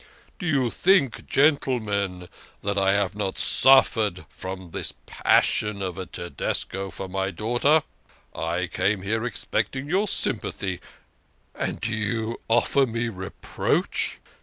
"Do you think, gentlemen, that I have not suffered from this passion of a Tedesco for my daughter? I came here expecting your sympathy, and do you offer me reproach?